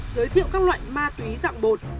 giới thiệu các loại ma túy dạng bột